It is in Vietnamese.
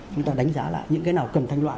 chúng ta đánh giá lại những cái nào cần thanh loại